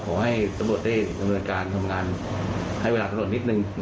ขอให้สมบูรณ์ได้ดำเนินการทำงานให้เวลาขนาดนิดนึง